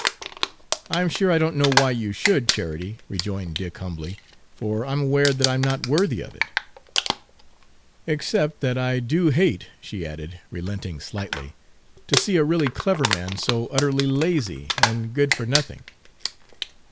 Page 173 "I'm sure I don't know why you should, Charity," rejoined Dick humbly, "for I 'm aware that I 'm not worthy of it." "Except that I do hate," she added, relenting slightly, "to see a really clever man so utterly lazy and good for nothing."